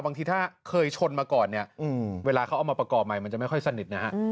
บางทีถ้าเคยชนมาก่อนเนี่ยเวลาเขาเอามาประกอบใหม่มันจะไม่ค่อยสนิทนะฮะ